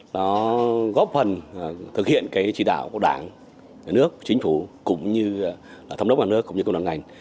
nó góp phần thực hiện trị đạo của đảng nước chính phủ thống đốc đảng nước công đoàn ngành